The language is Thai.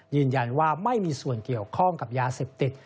ยืนยันว่าไม่มีส่วนเกี่ยวข้องกับยาเสพติด